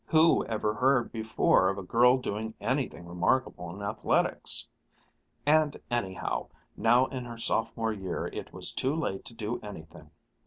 Who ever heard before of a girl doing anything remarkable in athletics? And anyhow, now in her Sophomore year it was too late to do anything.